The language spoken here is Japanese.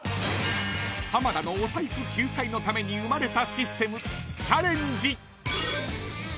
［浜田のお財布救済のために生まれたシステム］